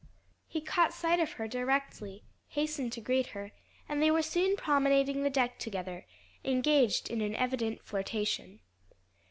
He caught sight of her directly, hastened to greet her, and they were soon promenading the deck together, engaged in an evident flirtation.